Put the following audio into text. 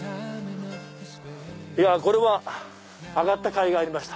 これは上がったかいがありました。